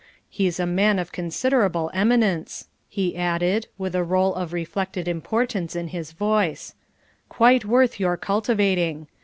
He's a man of considerable eminence," he added, with a roll of reflected importance in his voice; "quite worth your cultivating.